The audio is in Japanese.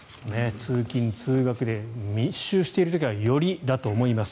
通勤・通学で密集している時は、よりだと思います。